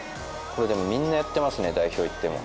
これでも、みんなやってますね、代表いっても。